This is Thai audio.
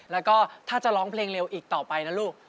แล้วก็ถ้าจะร้องเพลงเร็วอีกต่อไปนะลูก